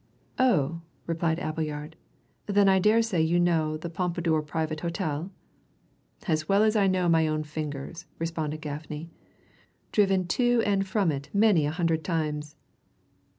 "Oh!" replied Appleyard. "Then I daresay you know the Pompadour Private Hotel?" "As well as I know my own fingers," responded Gaffney. "Driven to and from it many a hundred times."